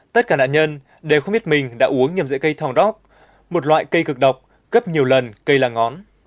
tất cả nạn nhân đều không biết mình đã uống nhầm dễ cây thòng đốc một loại cây cực độc cấp nhiều lần cây là ngón